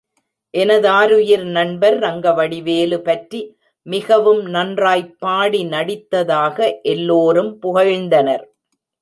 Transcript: எனதாருயிர் நண்பர், ரங்கவடிவேலு பற்றி, மிகவும் நன்றாய்ப் பாடி நடித்ததாக எல்லோரும் புகழ்ந்தனர்.